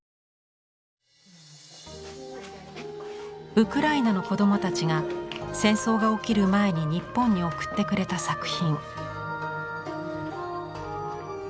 ウクライナの子どもたちが戦争が起きる前に日本に送ってくれた作品。